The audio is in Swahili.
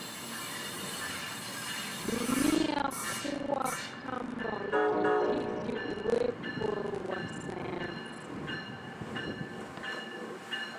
dunia kuwa kama kijiji uwepo wa sayansi